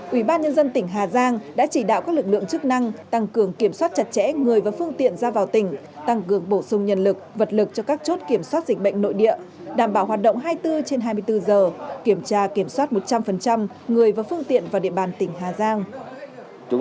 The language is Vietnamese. ủy ban nhân dân tỉnh hà giang đã chỉ đạo các lực lượng chức năng tăng cường kiểm soát chặt chẽ người và phương tiện ra vào tỉnh tăng cường bổ sung nhân lực vật lực cho các chốt kiểm soát dịch bệnh nội địa đảm bảo hoạt động hai mươi bốn trên hai mươi bốn giờ kiểm tra kiểm soát một trăm linh người và phương tiện vào địa bàn tỉnh hà giang